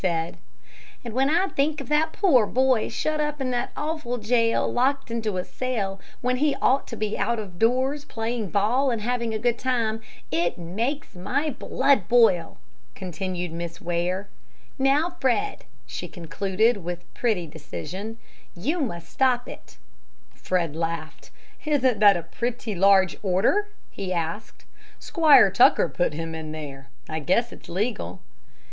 "And when I think of that poor boy shut up in that awful jail, locked into a cell, when he ought to be out of doors playing ball and having a good time, it makes my blood boil!" continued Miss Ware. "Now, Fred," she concluded, with pretty decision, "you must stop it." Fred laughed. "Isn't that a pretty large order?" he asked. "Squire Tucker put him there. I guess it's legal."